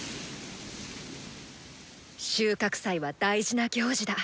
収穫祭は大事な行事だ。